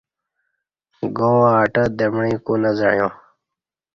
گاآٹہ دمیع کو نہ زعیا